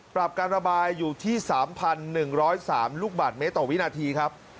ปรับการระบายอยู่ที่๓๑๐๓ลูกบาทเมตรต่อวินาทีครับ